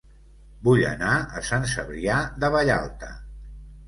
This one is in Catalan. Vull anar a Sant Cebrià de Vallalta